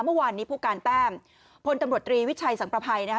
เมื่อวานนี้ผู้การแต้มพลตำรวจตรีวิชัยสังประภัยนะคะ